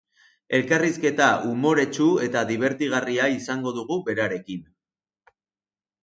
Elkarrizketa umoretsu eta dibertigarria izango dugu berarekin.